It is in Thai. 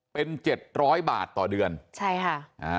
เป็นเจ็ดร้อยบาทต่อเดือนใช่ค่ะอ่า